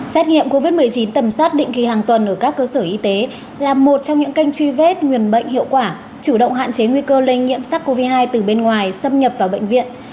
xét nghiệm covid một mươi chín tầm soát định kỳ hàng tuần ở các cơ sở y tế là một trong những kênh truy vết nguyên bệnh hiệu quả chủ động hạn chế nguy cơ lây nhiễm sars cov hai từ bên ngoài xâm nhập vào bệnh viện